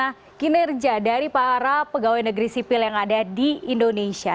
nah kinerja dari para pegawai negeri sipil yang ada di indonesia